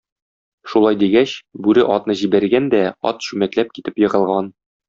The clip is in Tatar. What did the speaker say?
Шулай дигәч, бүре атны җибәргән дә, ат чүмәкләп китеп егылган.